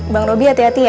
bang robby hati hati ya